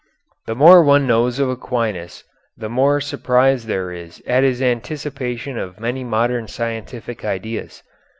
The more one knows of Aquinas the more surprise there is at his anticipation of many modern scientific ideas.